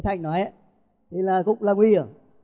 thì là cũng là nguy hiểm